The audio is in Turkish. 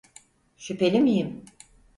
Şüpheli miyim?